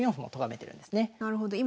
なるほど。